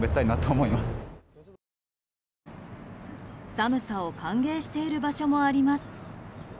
寒さを歓迎している場所もあります。